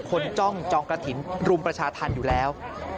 จ้องจองกระถิ่นรุมประชาธรรมอยู่แล้ว